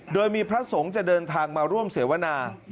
โดยมีพระสงฆ์จะเดินทางมาร่วมเสวนา